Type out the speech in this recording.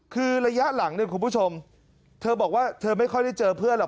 คือระยะหลังเนี่ยคุณผู้ชมเธอบอกว่าเธอไม่ค่อยได้เจอเพื่อนหรอก